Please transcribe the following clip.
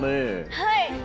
はい！